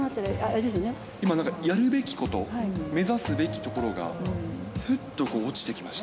今、なんかやるべきこと、目指すべきところが、ふっと落ちてきました。